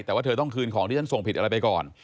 แต่ว่าเธอต้องคืนของที่ฉันส่งผิดอะไรไปก่อน